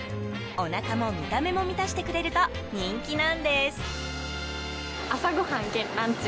おなかも見た目も満たしてくれると人気なんです。